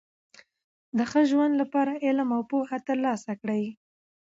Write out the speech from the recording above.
د ښه ژوند له پاره علم او پوهه ترلاسه کړئ!